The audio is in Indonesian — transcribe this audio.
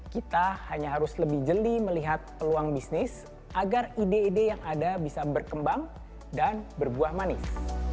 kita hanya harus lebih jeli melihat peluang bisnis agar ide ide yang ada bisa berkembang dan berbuah manis